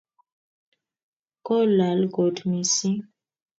Kolal kot mising